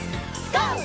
ＧＯ！